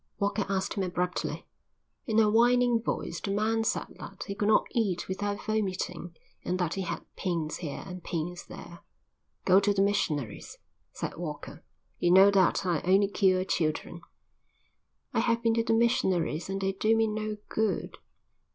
Walker asked him abruptly. In a whining voice the man said that he could not eat without vomiting and that he had pains here and pains there. "Go to the missionaries," said Walker. "You know that I only cure children." "I have been to the missionaries and they do me no good."